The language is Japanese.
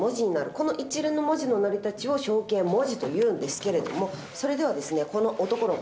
この一連の文字の成り立ちを象形文字というんですが、それではこの男の子。